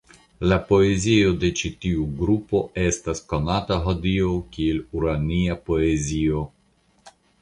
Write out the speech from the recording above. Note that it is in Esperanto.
La poezio de ĉi tiu grupo estas konata hodiaŭ kiel "urania poezio.